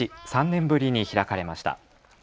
３年ぶりに開かれました。